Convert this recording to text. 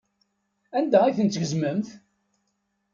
Anda ay tent-tgezmemt?